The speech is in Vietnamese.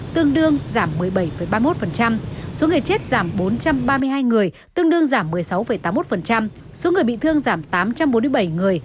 tương đương giảm một mươi bảy ba mươi một số người chết giảm bốn trăm ba mươi hai người tương đương giảm một mươi sáu tám mươi một số người bị thương giảm tám trăm bốn mươi bảy người